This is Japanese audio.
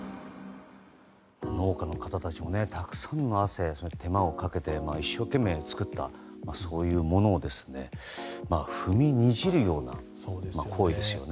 農家の方たちがたくさんの汗や手間をかけて、一生懸命作ったそういうものを踏みにじるような行為ですよね。